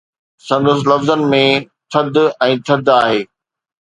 سندس لفظن ۾ ٿڌ ۽ ٿڌ آهي